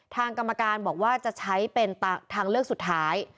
ทางกรรมการบอกว่าจะใช้เป็นทางเลือกสุดท้าย